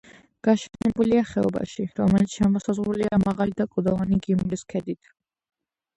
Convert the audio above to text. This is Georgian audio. გაშენებულია ხეობაში, რომელიც შემოსაზღვრულია მაღალი და კლდოვანი გიმრის ქედით.